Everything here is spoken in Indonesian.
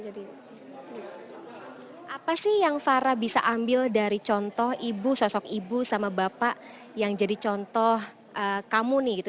apa sih yang fara bisa ambil dari contoh ibu sosok ibu sama bapak yang jadi contoh kamu nih gitu